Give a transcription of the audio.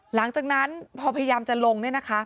หลังจากนั้นพอพยายามจะลงเนี่ยนะคะ